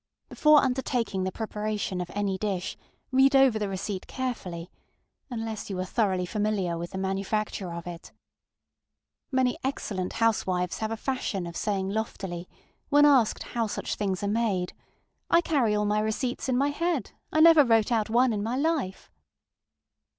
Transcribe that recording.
Before undertaking the preparation of any dish, read over the receipt carefully, unless you are thoroughly familiar with the manufacture of it. Many excellent housewives have a fashion of saying loftily, when asked how such things are madeŌĆöŌĆ£I carry all my receipts in my head. I never wrote out one in my life.